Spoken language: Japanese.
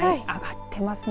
上がってますね。